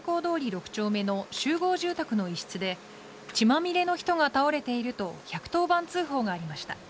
６丁目の集合住宅の一室で血まみれの人が倒れていると１１０番通報がありました。